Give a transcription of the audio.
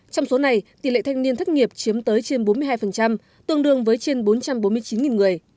trong số này tỷ lệ thanh niên thất nghiệp chiếm tới trên bốn mươi hai tương đương với trên bốn trăm bốn mươi chín người